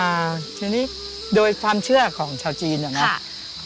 ทีนี้โดยความเชื่อของชาวจีนนะครับ